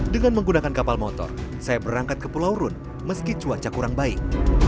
dengan menggunakan kapal motor saya berangkat ke pulau rune meski cuaca kurang baik